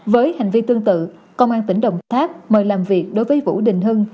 với hành vi tương tự công an tỉnh đồng tháp mời làm việc đối với vũ đình hưng